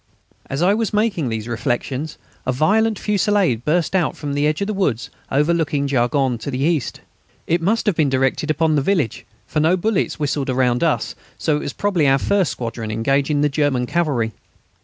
As I was making these reflections a violent fusillade burst out from the edge of the woods overlooking Jaulgonne to the east. It must have been directed upon the village, for no bullets whistled around us, so it was probably our first squadron engaging the German cavalry.